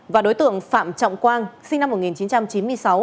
và đối tượng phạm trọng quang sinh năm một nghìn chín trăm chín mươi sáu